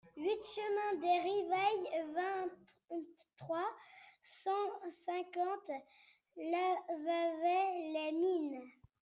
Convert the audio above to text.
huit chemin des Rivailles, vingt-trois, cent cinquante, Lavaveix-les-Mines